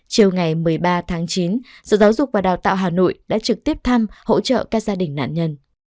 chiều ngày một mươi ba tháng chín sở giáo dục và đào tạo hà nội đã trực tiếp thăm hỗ trợ các gia đình nạn nhân